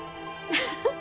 フフフ。